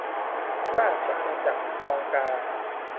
ราชอาณาจักรตองกา